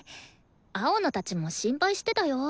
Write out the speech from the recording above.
青野たちも心配してたよ。